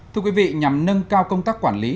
thưa quý vị nhằm nâng cao công tác quản lý